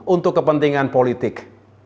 untuk kepentingan politik